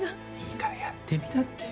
いいからやってみなって。